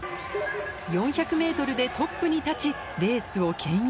４００ｍでトップに立ちレースをけん引